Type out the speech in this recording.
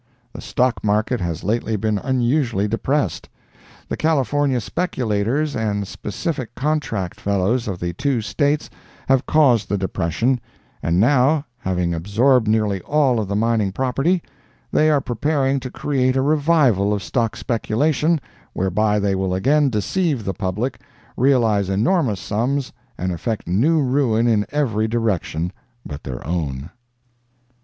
The stock market has lately been unusually depressed. The California speculators and Specific Contract fellows of the two States have caused the depression, and now, having absorbed nearly all of the mining property, they are preparing to create a "revival" of stock speculation whereby they will again deceive the public, realize enormous sums and effect new ruin in every direction but their own.